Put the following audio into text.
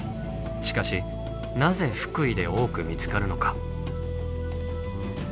しかしなぜ福井で多く見つかるのか。